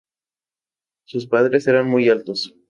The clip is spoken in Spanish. Sus padres eran muy altos.